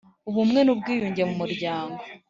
Ubumwe n ubwiyunge mu muryango